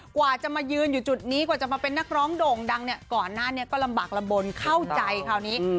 กว่าจะมายืนอยู่จุดนี้กว่าจะมาเป็นนักร้องโด่งดังเนี่ยก่อนหน้านี้ก็ลำบากลำบลเข้าใจคราวนี้